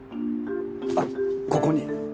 あっここに。